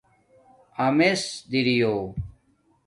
اِمامس دری یو